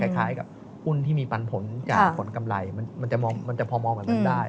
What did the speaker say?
คล้ายกับหุ้นที่มีปันผลจากผลกำไรมันจะพอมองแบบนั้นได้